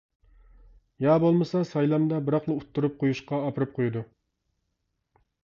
يا بولمىسا سايلامدا بىراقلا ئۇتتۇرۇپ قويۇشقا ئاپىرىپ قويىدۇ.